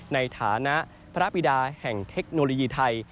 ในฐานะพระบิดาแห่งเทคโนโลยีไทย